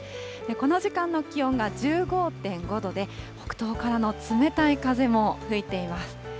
この時間の気温が１５．５度で、北東からの冷たい風も吹いています。